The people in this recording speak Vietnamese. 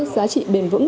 giá trị bền vững